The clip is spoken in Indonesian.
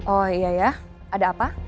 oh iya ya ada apa